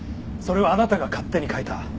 それをあなたが勝手に変えた。